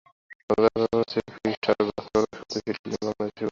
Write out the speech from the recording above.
মজার ব্যাপার হচ্ছে ফিস্টার বাছাইপর্বের শুরুতে ছিলেন বাংলাদেশেরই কোচ।